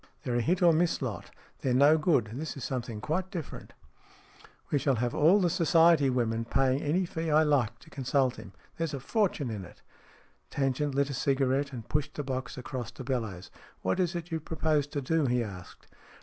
They're a hit or miss lot. They're no good. This is something quite different. SMEATH 15 We shall have all the Society women paying any fee I like to consult him. There's a fortune in it." Tangent lit a cigarette, and pushed the box across to Bellowes. " What is it you propose to do ?" he asked.